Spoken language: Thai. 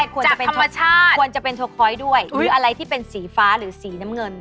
ควรจะเป็นโทรคอยด์ด้วยหรืออะไรที่เป็นสีฟ้าหรือสีน้ำเงิน